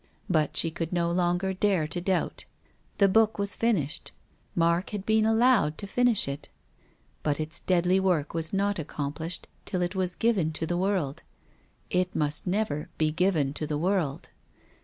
But she could no longer dare to doubt. The book was finished. Mark had been allowed to finish it. But its deadly work was not accomplished till it was given to the world. It must never be given to the world.